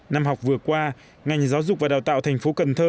năm học vừa qua ngành giáo dục và đào tạo thành phố cần thơ